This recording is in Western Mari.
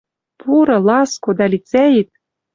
Пуры, ласко, дӓ лицӓэт